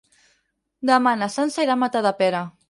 Demà na Sança irà a Matadepera.